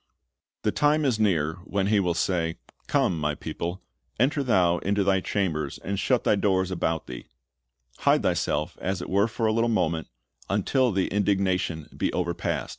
The time is near when He will say, "Come, My people, enter thou into thy chambers, and shut thy doors about thee: hide thyself as it were for a little moment, until the indignation be overpast.